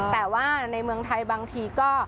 แต่ว่าในเมืองไทยบางทีก็